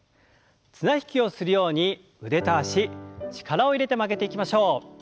綱引きをするように腕と脚力を入れて曲げていきましょう。